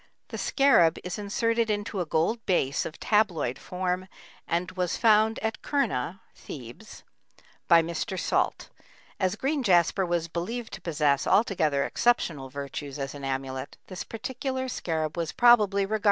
The scarab is inserted into a gold base of tabloid form, and was found at Kurna (Thebes) by Mr. Salt. As green jasper was believed to possess altogether exceptional virtues as an amulet, this particular scarab was probably regarded as especially sacred.